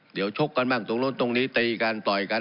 เดี๋ยวชกกันบ้างตรงนี้ตีกันต่อยกัน